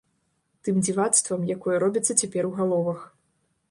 Тым дзівацтвам, якое робіцца цяпер у галовах.